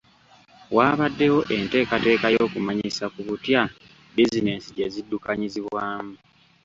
Waabaddewo enteekateeka y'okumanyisa ku butya bizinensi gye ziddukanyizibwamu.